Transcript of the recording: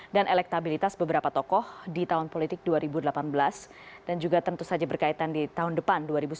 dan elektabilitas beberapa tokoh di tahun politik dua ribu delapan belas dan juga tentu saja berkaitan di tahun depan dua ribu sembilan belas